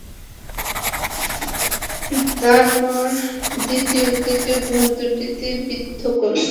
তারপর দ্বিতীয় ও তৃতীয় গ্রন্থিটিতে বিদ্ধ করল।